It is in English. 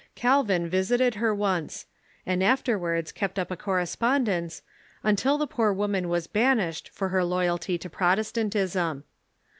Calvin visited her once, and afterwards kept up a correspondence, until the poor woman was banished for her loyalty to Protestantism.